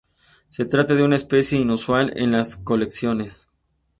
Se trata de una especie inusual en las colecciones.